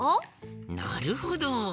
なるほど。